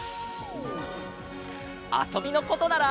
あそびのことなら。